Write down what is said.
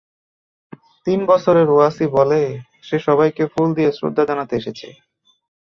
তিন বছরের ওয়াসি বলে, সে সবাইকে ফুল দিয়ে শ্রদ্ধা জানাতে এসেছে।